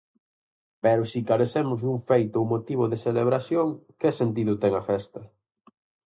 Pero si carecemos dun feito ou motivo de celebración, que sentido ten a festa?